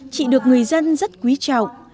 chị được người dân rất quý trọng